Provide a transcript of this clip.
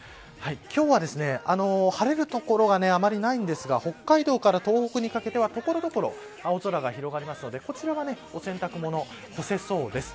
今日は晴れる所があまりないんですが北海道から東北にかけては所々、青空が広がるのでこちらは洗濯物干せそうです。